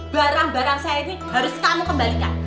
barang barang saya ini harus kamu kembalikan